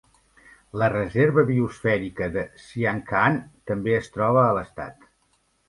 La reserva biosfèrica de Sian Ka'an també es troba a l'estat.